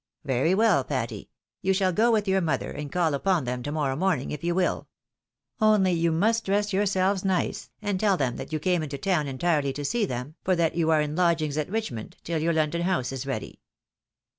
Very well, Patty, you shall go with your mother, and call upon them to morrow morning, if you will ; only you must dress yourselves nice, and tell them that you came into town entirely to see them, for that you are in lodgings at Richmond, till your London house is ready.